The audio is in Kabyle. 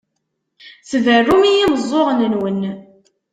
Tberrum i yimeẓẓuɣen-nwen.